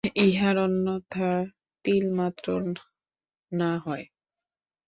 ইহার অন্যথা তিলমাত্র না হয়।